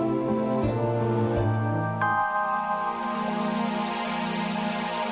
aku hanya semangat